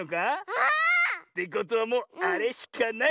あ！ってことはもうあれしかない。